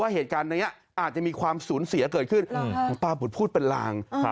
เหตุการณ์อาจมีความสูญเสียขึ้นหมอปลาบูดพูดเป็นราว